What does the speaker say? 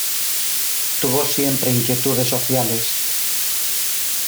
Tuvo siempre inquietudes sociales.